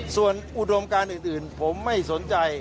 ส่วนอุดมการอื่นผมไม่สนใจ